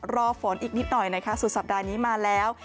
รอฝนอีกนิดหน่อยนะคะสุดสัปดาห์นี้มาแล้ว